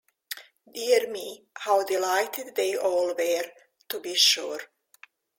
Dear me, how delighted they all were, to be sure!